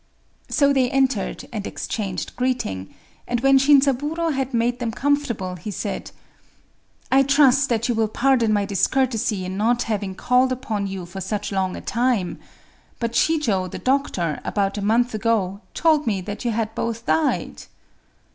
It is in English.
So they entered, and exchanged greeting; and when Shinzaburō had made them comfortable, he said:— "I trust that you will pardon my discourtesy in not having called upon you for so long a time. But Shijō, the doctor, about a month ago, told me that you had both died."